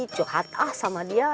curhat ah sama dia